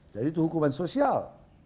jadi itu hukuman sosial